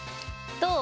どう？